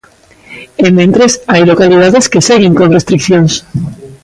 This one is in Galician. E mentres, hai localidades que seguen con restricións.